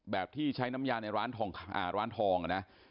แบบที่ใช้น้ำยาในร้านทองอ่าร้านทองอ่ะนะ